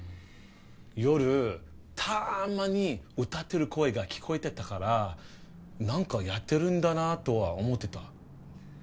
夜たまに歌ってる声が聞こえてたから何かやってるんだなとは思ってた。